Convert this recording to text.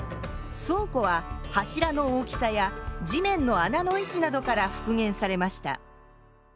倉庫は柱の大きさや地面の穴の位置などから復元されました。